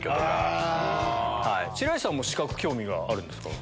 白石さんも資格興味があるんですか？